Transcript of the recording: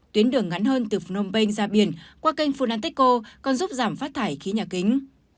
tuyến đường ngắn hơn từ phnom penh ra biển qua kênh funatexco còn giúp giảm phát thải khí nhà kính